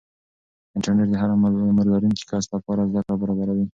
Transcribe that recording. انټرنیټ د هر عمر لرونکي کس لپاره زده کړه برابروي.